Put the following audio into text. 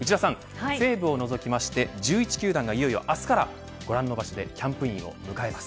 西武を除きまして１１球団がいよいよ明日からご覧の場所でキャンプインを迎えます。